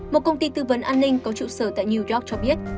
một công ty tư vấn an ninh có trụ sở tại new york cho biết